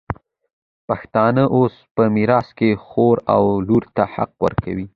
پښتانه اوس په میراث کي خور او لور ته حق ورکوي.